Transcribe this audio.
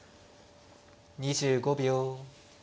２５秒。